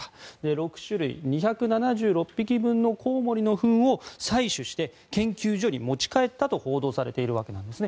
６種類２７６匹分のコウモリのフンを採取して研究所に持ち帰ったと報道されているわけなんですね。